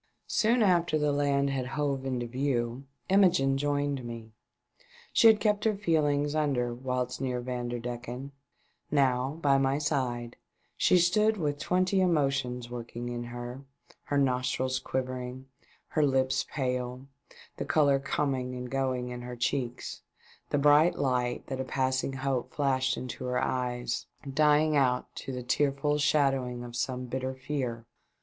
Soon after the land had hove into view, Imogene joined me. She had kept her feelings under whilst near Vanderdecken, Now, by my side, she stood with twenty emotions working in her, her nostrils quiver ing, her lips pale, the colour coming and going in her cheeks, the bright light that a passing hope flashed into her eyes dying out to the tearful shadowins: of some bitter fear.